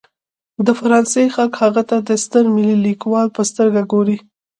د فرانسې خلک هغه ته د ستر ملي لیکوال په سترګه ګوري.